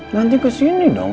nanti kesini dong